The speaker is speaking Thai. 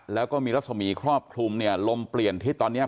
แล้วก็มีลักษมีครอบครุมลมเปลี่ยนที่ตอนนี้